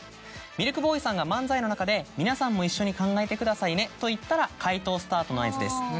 ミルクボーイさんが漫才の中で「皆さんも一緒に考えてくださいね」と言ったら解答スタートの合図です。